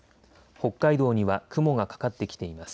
北海道には雲がかかってきています。